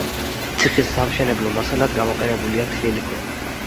ციხის სამშენებლო მასალად გამოყენებულია თლილი ქვა.